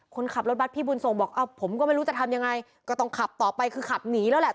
คนขับรถบัตรพี่บุญส่งบอกผมก็ไม่รู้จะทำยังไงก็ต้องขับต่อไปคือขับหนีแล้วแหละ